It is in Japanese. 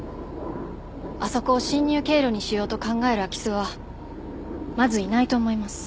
あそこを侵入経路にしようと考える空き巣はまずいないと思います。